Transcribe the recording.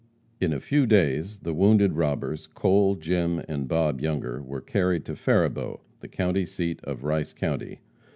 In a few days the wounded robbers Cole, Jim and Bob Younger were carried to Faribault, the county seat of Rice county.